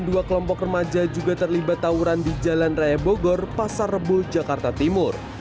dua kelompok remaja juga terlibat tawuran di jalan raya bogor pasar rebul jakarta timur